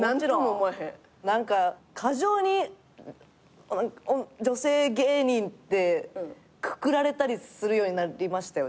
何か過剰に女性芸人でくくられたりするようになりましたよね。